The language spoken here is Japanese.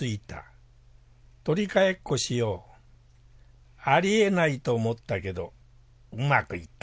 「とりかえっこしよう！」。ありえないとおもったけどウマくいった。